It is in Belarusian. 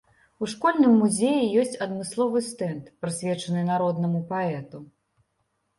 У школьным музеі ёсць адмысловы стэнд, прысвечаны народнаму паэту.